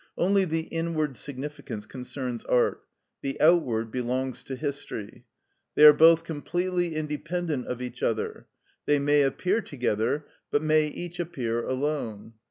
Only the inward significance concerns art; the outward belongs to history. They are both completely independent of each other; they may appear together, but may each appear alone.